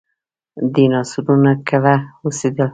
ډیناسورونه کله اوسیدل؟